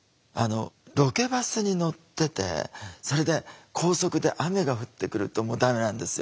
ロケバスに乗っててそれで高速で雨が降ってくるとダメなんですよ。